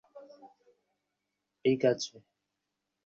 ঠিক আছে!